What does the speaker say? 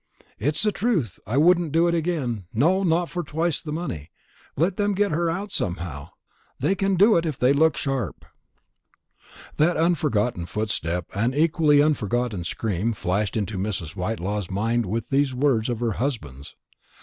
"It's the truth. I wouldn't do it again no, not for twice the money. Let them get her out somehow. They can do it, if they look sharp." That unforgotten footstep and equally unforgotten scream flashed into Mrs. Whitelaw's mind with these words of her husband's.